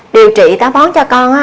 điều trị táo bón cho con